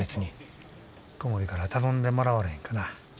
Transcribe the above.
小森から頼んでもらわれへんかな。